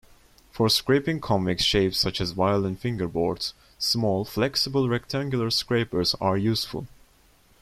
For scraping convex shapes such as violin fingerboards, small flexible rectangular scrapers are useful.